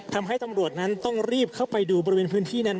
ทำให้ตำรวจนั้นต้องรีบเข้าไปดูบริเวณพื้นที่นั้น